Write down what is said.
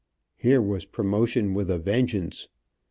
Here was promotion with a vengeance.